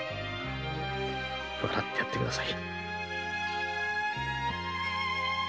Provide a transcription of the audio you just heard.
笑ってやってください。